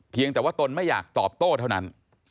เพียงแต่ว่าตนไม่อยากตอบโต้เท่านั้น